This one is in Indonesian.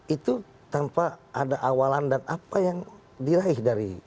itu tanpa ada awalan dan apa yang diraih dari